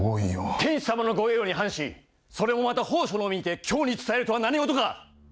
天子様のご叡慮に反し、それもまたほうじょのみにて京に伝えるとは何事か。